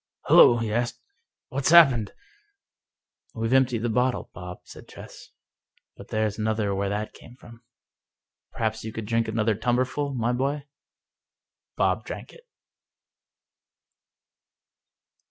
" Hollo! " he asked, " what's happened? " "We've emptied the bottle. Bob," said Tress. "But there's another where that came from. Perhaps you could drink another tumblerful, my boy ?" Bob drank it!